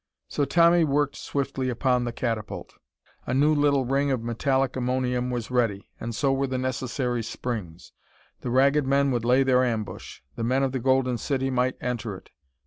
So Tommy worked swiftly upon the catapult. A new little ring of metallic ammonium was ready, and so were the necessary springs. The Ragged Men would lay their ambush. The men of the Golden City might enter it.